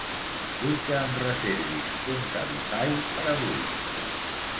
Vull que em reservis un Cabify per avui.